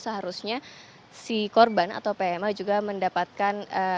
seharusnya si korban atau pma juga mendapatkan